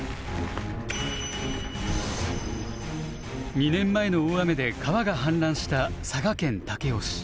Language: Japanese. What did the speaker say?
２年前の大雨で川が氾濫した佐賀県武雄市。